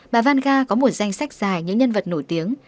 bà vanga có một danh sách dài những nhân vật nổi tiếng